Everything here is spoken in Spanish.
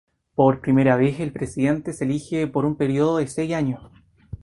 Por primera vez el presidente se elige para un período de seis años.